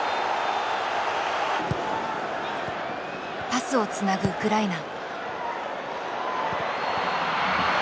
パスをつなぐウクライナ。